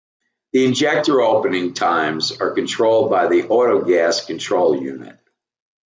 The injector opening times are controlled by the autogas control unit.